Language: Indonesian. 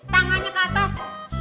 tangannya ke atas